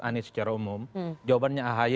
anies secara umum jawabannya ahy